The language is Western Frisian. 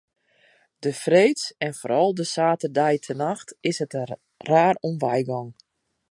De freeds en foaral de saterdeitenachts is it der raar om wei gien.